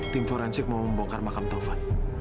tim forensik mau membongkar makam taufan